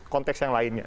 konteks yang lainnya